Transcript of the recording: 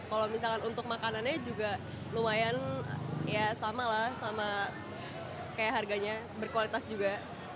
kalau misalkan untuk makanannya juga lumayan ya sama lah sama kayak harganya berkualitas juga